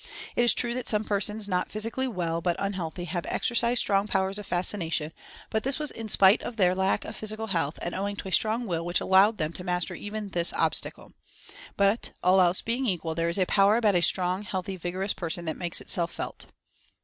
It is true that some persons not physically well, but un healthy, have exercised strong powers of Fascination, but this was in spite of their lack of physical health, and owing to a strong Will which allowed them to master even this obstacle. But, all else being equal, there is a power about a strong, healthy, vigorous per son that makes itself felt.